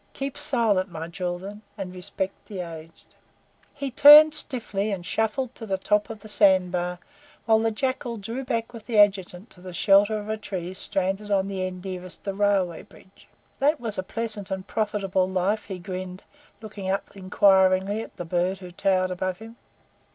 Keep silent, my children, and respect the aged." He turned stiffly, and shuffled to the top of the sand bar, while the Jackal drew back with the Adjutant to the shelter of a tree stranded on the end nearest the railway bridge. "That was a pleasant and profitable life," he grinned, looking up inquiringly at the bird who towered above him.